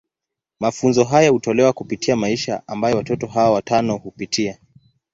Mafunzo haya hutolewa kupitia maisha ambayo watoto hawa watano hupitia.